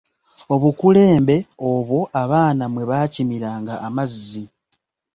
Obukulembe obwo abaana mwe baakimiranga amazzi.